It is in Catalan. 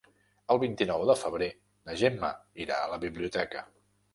El vint-i-nou de febrer na Gemma irà a la biblioteca.